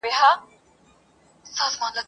ته به یې او زه به نه یم ..